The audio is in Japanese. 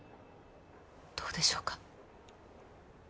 どうでしょうか？